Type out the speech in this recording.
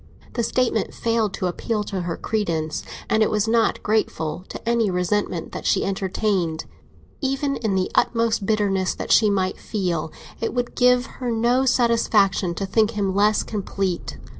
The statement failed to appeal to her credence, and it was not grateful to any resentment that she entertained. Even in the utmost bitterness that she might feel, it would give her no satisfaction to think him less complete.